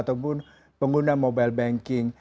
ataupun pengguna mobile banking